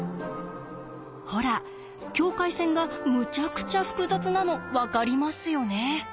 ほら境界線がむちゃくちゃ複雑なの分かりますよね？